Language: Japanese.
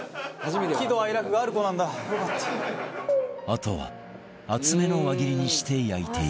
あとは厚めの輪切りにして焼いていく